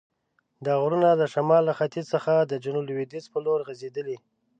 دا غرونه د شمال له ختیځ څخه د جنوب لویدیځ په لور غزیدلي.